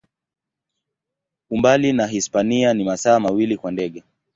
Umbali na Hispania ni masaa mawili kwa ndege.